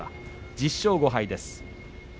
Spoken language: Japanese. １０勝５敗です。